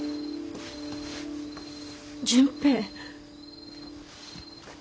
純平。